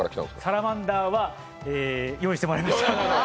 サラマンダーは用意してもらいました。